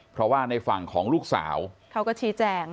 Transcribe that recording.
เพราะว่าในฝั่งของลูกสาวเขาก็ชี้แจง